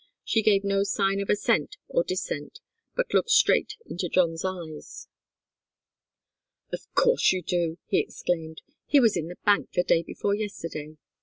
She gave no sign of assent or dissent, but looked straight into John's eyes. "Of course you do!" he exclaimed. "He was in the bank the day before yesterday.